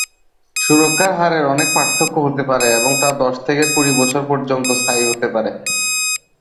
সুরক্ষার হারের অনেক পার্থক্য হতে পারে এবং তা দশ থেকে কুড়ি বছর পর্যন্ত স্থায়ী হতে পারে।